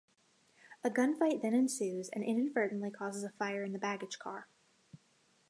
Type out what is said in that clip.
A gunfight then ensues and inadvertently causes a fire in the baggage car.